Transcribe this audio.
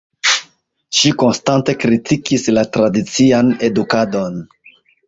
Ŝi konstante kritikis la tradician edukadon.